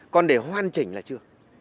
còn để hoàn chỉnh là chưa